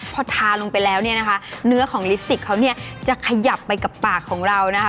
พอทาลงไปแล้วเนี่ยนะคะเนื้อของลิสติกเขาเนี่ยจะขยับไปกับปากของเรานะคะ